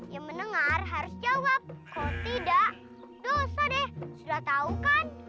yang mendengar harus jawab kok tidak dosa deh sudah tahu kan